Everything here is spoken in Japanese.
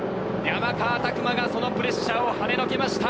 山川拓馬がそのプレッシャーを跳ねのけました。